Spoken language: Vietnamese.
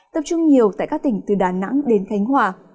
tập trung nhiều tại các tỉnh từ đà nẵng đến khánh hòa